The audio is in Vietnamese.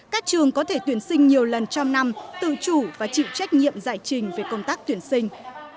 các trường có thể tuyển sinh nhiều lần trong năm tự chủ và chịu trách nhiệm giải trình về công tác tuyển sinh